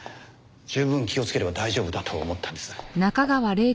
十分気をつければ大丈夫だと思ったんです。